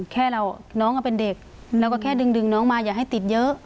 แค่เราน้องก็เป็นเด็กเราก็แค่ดึงน้องมาอย่าให้ติดเยอะ